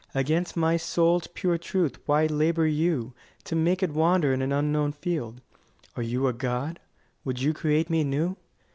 Against my soul's pure truth why labour you To make it wander in an unknown field? Are you a god? would you create me new?